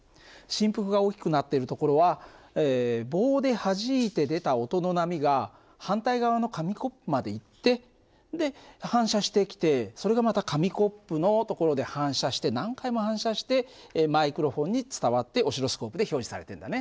振幅が大きくなっている所は棒ではじいて出た音の波が反対側の紙コップまで行ってで反射してきてそれがまた紙コップの所で反射して何回も反射してマイクロホンに伝わってオシロスコープで表示されてるんだね。